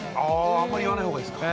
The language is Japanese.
あんまり言わないほうがいいんですか。